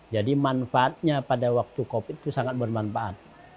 jadi manfaatnya pada waktu covid itu sangat bermanfaat